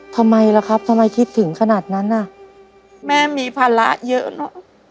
ทำไมล่ะครับทำไมคิดถึงขนาดนั้นน่ะแม่มีภาระเยอะเนอะ